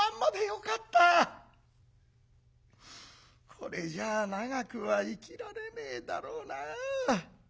これじゃあ長くは生きられねえだろうな。